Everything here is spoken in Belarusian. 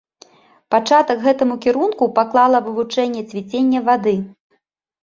Пачатак гэтаму кірунку паклала вывучэнне цвіцення вады.